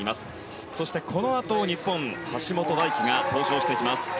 そして、このあと日本橋本大輝が登場してきます。